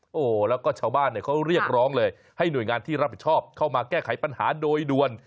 โอ้โหแล้วก็ชาวบ้านเนี่ยเขาเรียกร้องเลยให้หน่วยงานที่รับผิดชอบเข้ามาแก้ไขปัญหาโดยด่วน